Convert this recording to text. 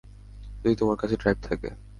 যদি তোমার কাছে ড্রাইভ থাকে।